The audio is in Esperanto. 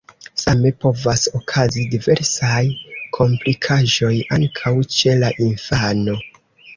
Same povas okazi diversaj komplikaĵoj ankaŭ ĉe la infano.